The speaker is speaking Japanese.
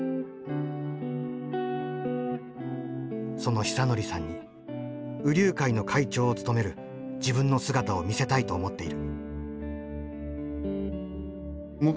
その久典さんに兎龍会の会長を務める自分の姿を見せたいと思っている。